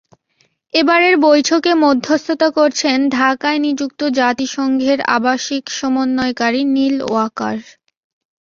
এবারের বৈঠকে মধ্যস্থতা করছেন ঢাকায় নিযুক্ত জাতিসংঘের আবাসিক সমন্বয়কারী নিল ওয়াকার।